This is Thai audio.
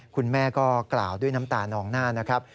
คุณแม่ก็กล่าวด้วยน้ำตานองหน้านะครับ